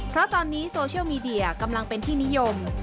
เพราะตอนนี้โซเชียลมีเดียกำลังเป็นที่นิยม